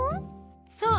そう！